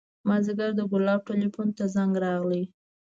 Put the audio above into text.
مازديګر د ګلاب ټېلفون ته زنګ راغى.